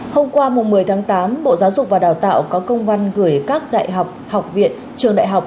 hôm qua một mươi tháng tám bộ giáo dục và đào tạo có công văn gửi các đại học học viện trường đại học